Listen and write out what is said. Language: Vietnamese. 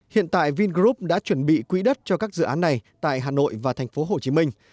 hiện tại vingroup đã chuẩn bị quỹ đất cho các dự án này tại hà nội và thành phố hồ chí minh